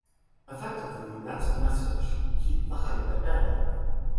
Effectively, that's the message: Keep the hype at bay.